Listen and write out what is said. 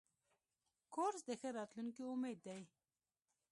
کورس د ښه راتلونکي امید دی.